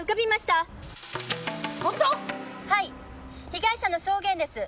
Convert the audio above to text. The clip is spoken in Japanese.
被害者の証言です。